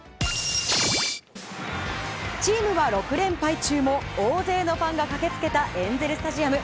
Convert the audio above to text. チームは６連敗中も大勢のファンが駆け付けたエンゼル・スタジアム。